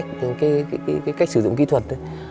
cái cách sử dụng kỹ thuật